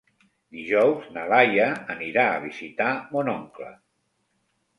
Dijous na Laia anirà a visitar mon oncle.